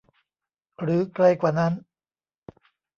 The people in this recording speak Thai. หรือไกลกว่านั้น